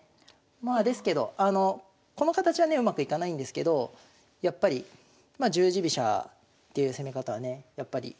まあですけどこの形はねうまくいかないんですけどやっぱりまあ十字飛車っていう攻め方はね